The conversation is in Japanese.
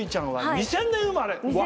２０００年生まれ。